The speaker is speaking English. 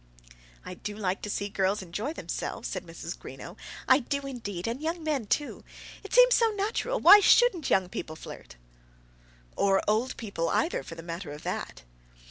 "I do like to see girls enjoy themselves," said Mrs. Greenow, "I do, indeed; and young men too. It seems so natural; why shouldn't young people flirt?" "Or old people either for the matter of that?"